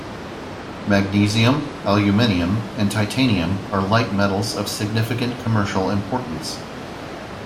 Magnesium, aluminium and titanium are light metals of significant commercial importance.